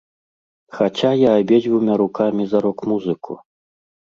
Хаця я абедзвюма рукамі за рок-музыку.